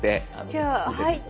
じゃあはいって。